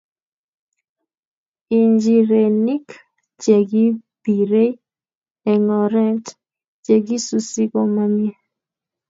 Injirenik chekipirei eng oret chekisusi koma mie.